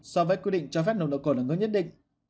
so với quy định cho phép nồng độ cồn ở ngưỡng nhất định